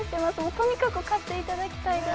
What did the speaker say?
とにかく勝っていただきたい。